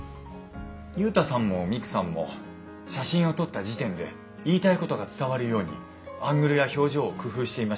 ユウタさんもミクさんも写真を撮った時点で言いたいことが伝わるようにアングルや表情を工夫していましたよね。